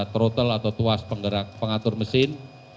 throttle atau tuas penggerak pengatur mesin